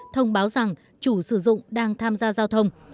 thông báo rằng chủ sử dụng đang tham gia giao thông